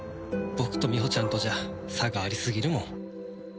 僕とみほちゃんとじゃ差がありすぎるもん